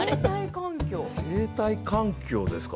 生態環境ですか。